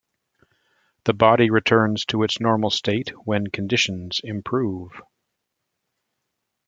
The body returns to its normal state when conditions improve.